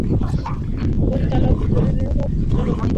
পরিচালক জহিরুল হক চলচ্চিত্রটির কিছু অংশ নির্মাণ করার পর মারা যান।